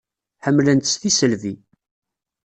Ḥemmlen-tt s tisselbi.